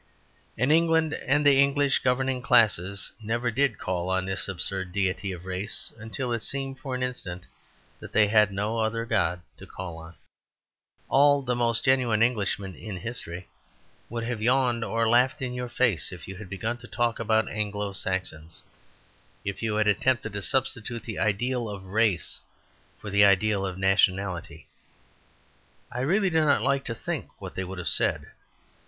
And England and the English governing class never did call on this absurd deity of race until it seemed, for an instant, that they had no other god to call on. All the most genuine Englishmen in history would have yawned or laughed in your face if you had begun to talk about Anglo Saxons. If you had attempted to substitute the ideal of race for the ideal of nationality, I really do not like to think what they would have said.